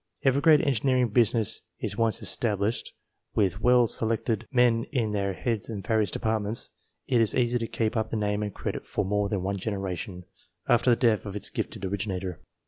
If a great engineering business is once established, with well selected men at the heads of its various departments, it is easy to keep up the name and credit for more than one generation after the death of its gifted originator.